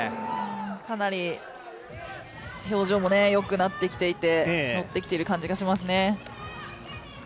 かなり表情もよくなってきていて、乗ってきている感じがしますね。